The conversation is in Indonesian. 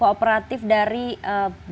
kooperatif dari ee